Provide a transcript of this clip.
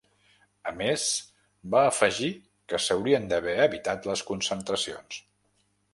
A més, va afegir que s’haurien d’haver evitat les concentracions.